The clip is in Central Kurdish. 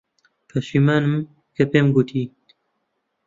پەشیمانم کە پێم گوتیت.